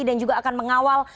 dan juga akan mengawal